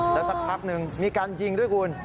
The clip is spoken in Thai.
แล้วสักพักหนึ่งมีการยิงด้วยคุณ